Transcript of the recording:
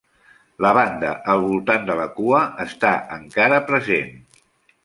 La banda al voltant de la cua està encara present.